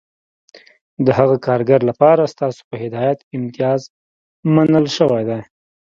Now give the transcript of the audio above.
د هغه کارګر لپاره ستاسو په هدایت امتیاز منل شوی دی